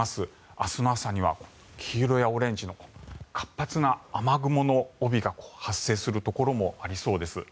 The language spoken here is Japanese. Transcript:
明日の朝には黄色やオレンジの活発な雨雲の帯が発生するところもありそうです。